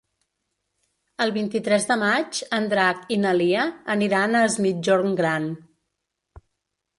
El vint-i-tres de maig en Drac i na Lia aniran a Es Migjorn Gran.